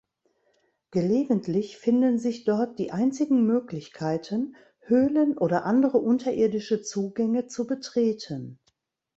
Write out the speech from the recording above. Gelegentlich finden sich dort die einzigen Möglichkeiten, Höhlen oder andere unterirdische Zugänge zu betreten.